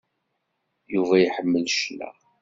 Yuba iḥemmel cna.